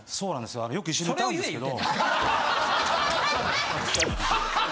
よく一緒に歌うんですけど。